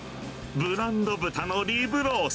ブランド豚のリブロース。